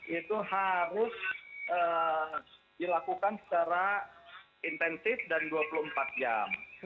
itu harus dilakukan secara intensif dan dua puluh empat jam